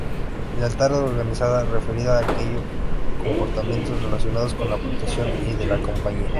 Lealtad organizativa: referida a aquellos comportamientos relacionados con la protección y de la compañía.